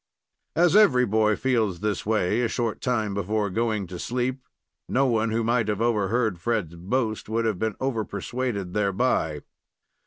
As every boy feels this way a short time before going to sleep, no one who might have overheard Fred's boast would have been over persuaded thereby.